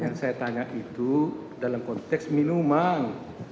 yang saya tanya itu dalam konteks minuman